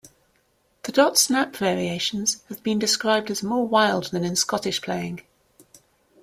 The dot-snap variations have been described as more "wild" than in Scottish playing.